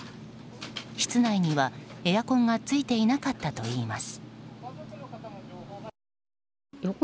室内にはエアコンがついていなかったといいます。